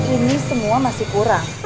ini semua masih kurang